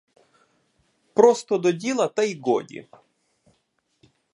Просто до діла, та й годі.